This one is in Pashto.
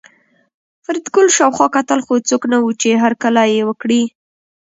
فریدګل شاوخوا کتل خو څوک نه وو چې هرکلی یې وکړي